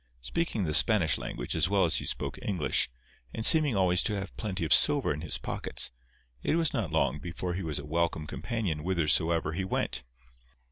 Speaking the Spanish language as well as he spoke English, and seeming always to have plenty of silver in his pockets, it was not long before he was a welcome companion whithersoever he went.